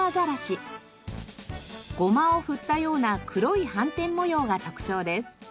ゴマを振ったような黒い斑点模様が特徴です。